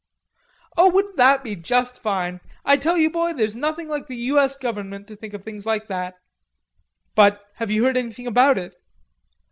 "Oh, wouldn't that be just fine. I tell you, boy, there's nothing like the U. S. government to think of things like that." "But have you heard anything about it?"